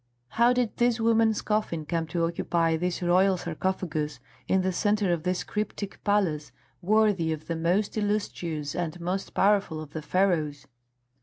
How did this woman's coffin come to occupy this royal sarcophagus, in the centre of this cryptic palace worthy of the most illustrious and most powerful of the Pharaohs?